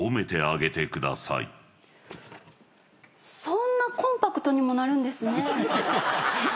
そんなコンパクトにもなるんですね。